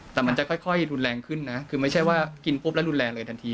แต่มันจะค่อยรุนแรงขึ้นนะคือไม่ใช่ว่ากินปุ๊บแล้วรุนแรงเลยทันที